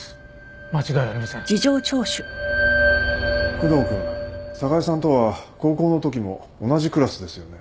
久能君寒河江さんとは高校のときも同じクラスですよね。